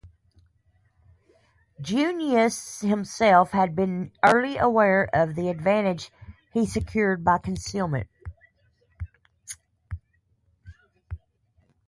Junius himself had been early aware of the advantage he secured by concealment.